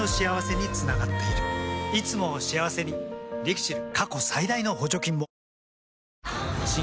いつもを幸せにＬＩＸＩＬ。